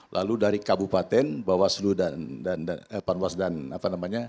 lalu dari kabupaten bawah seluruh dan dan dan eh panwas dan apa namanya